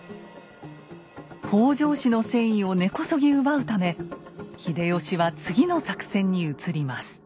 北条氏の戦意を根こそぎ奪うため秀吉は次の作戦に移ります。